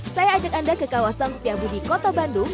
saya ajak anda ke kawasan setiabudi kota bandung